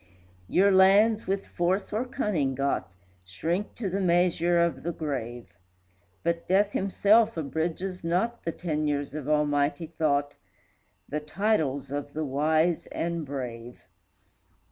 Your lands, with force or cunning got, Shrink to the measure of the grave; But Death himself abridges not The tenures of almighty thought, The titles of the wise and brave.